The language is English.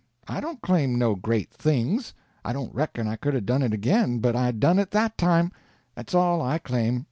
I don't claim no great things—I don't reckon I could 'a' done it again—but I done it that time; that's all I claim.